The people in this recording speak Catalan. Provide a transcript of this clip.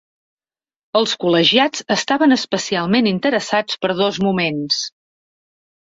Els col·legiats estaven especialment interessats per dos moments.